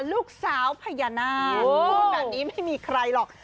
ลูกสาวพญานาคพูดแบบนี้ไม่มีใครหรอก